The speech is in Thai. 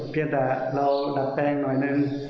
เพียงแต่เราดัดแปลงหน่อยหนึ่ง